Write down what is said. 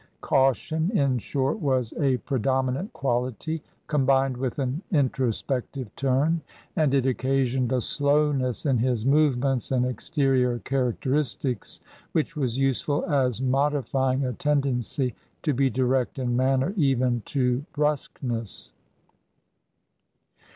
Caution, in short, was a predominant quality, combined with an introspective turn ; and it occasioned a slowness in his movements and exterior characteristics which was useful as modifying a tendency to be direct in manner even to brusqueness.